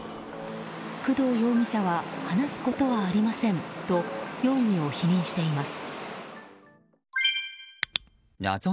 工藤容疑者は話すことはありませんと容疑を否認しています。